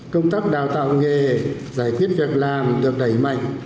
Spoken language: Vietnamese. công tác đào tạo nghề giải quyết việc làm được đẩy mạnh